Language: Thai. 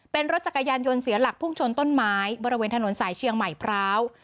เป็นรถจักรยานยนต์เสียหลักพุ่งชนต้นไม้บริเวณถนนสายเชียงใหม่พร้าว